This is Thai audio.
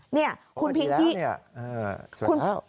นี่คุณพิงกี้สวยแล้ว